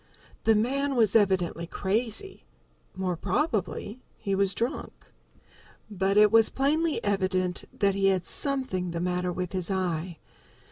The man was evidently crazy more probably he was drunk. But it was plainly evident that he had something the matter with his eye.